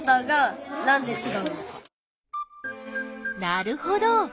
なるほど！